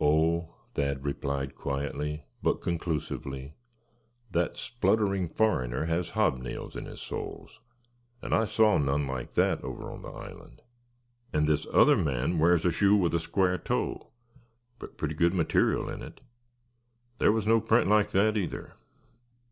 "Oh!" Thad replied quietly, but conclusively; "that spluttering foreigner has hobnails in his soles; and I saw none like that over on the island. And this other man wears a shoe with a square toe; but pretty good material in it. There was no print like that either."